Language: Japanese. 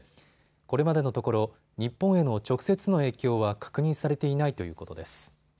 これまでのところ日本への直接の影響は確認されていないということです。